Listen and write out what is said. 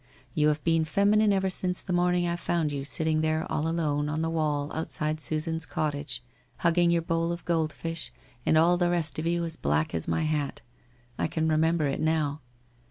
You have been feminine ever since the morning I found you sitting there all alone on the wall outside Susan's cottage, hugging your bowl of gold fish, and all the rest of you as black as my hat. I can remember it now.